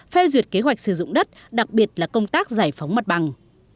phê duyệt kế hoạch sử dụng đất đặc biệt là công tác giải phóng mặt bằng